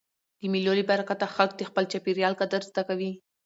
د مېلو له برکته خلک د خپل چاپېریال قدر زده کوي.